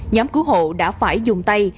nhóm cứu hộ đã phải dùng tay